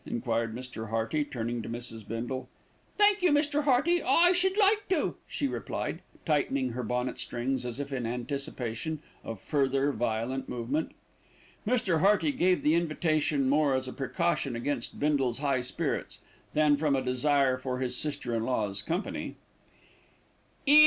enquired Mr. Hearty, turning to Mrs. Bindle. "Thank you, Mr. Hearty, I should like to," she replied, tightening her bonnet strings as if in anticipation of further violent movement. Mr. Hearty gave the invitation more as a precaution against Bindle's high spirits, than from a desire for his sister in law's company.